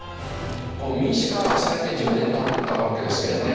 民主化されて１０年経ったわけですけれどね。